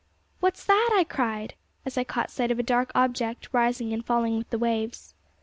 'What's that?' I cried, as I caught sight of a dark object, rising and falling with the waves.